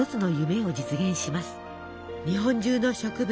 日本中の植物